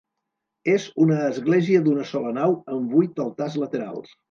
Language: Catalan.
És una església d'una sola nau amb vuit altars laterals.